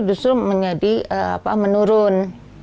justru menjadi menurun